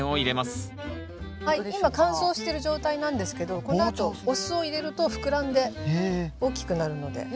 今乾燥してる状態なんですけどこのあとお酢を入れると膨らんで大きくなるので。